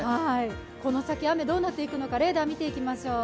この先、雨どうなっていくのかレーダーを見ていきましょう。